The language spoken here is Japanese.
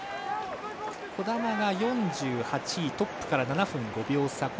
児玉が４８位トップから７分５秒差。